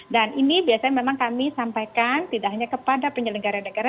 dan ini biasanya memang kami sampaikan tidak hanya kepada penyelenggara negara